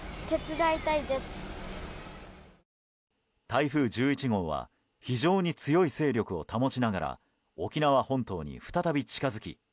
台風１１号は非常に強い勢力を保ちながら沖縄本島に再び近づき